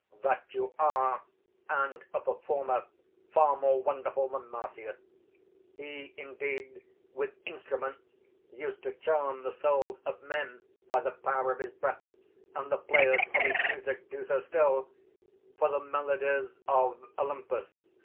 That you are, and a performer far more wonderful than Marsyas. He indeed with instruments used to charm the souls of men by the power of his breath, and the players of his music do so still: for the melodies of Olympus (compare Arist.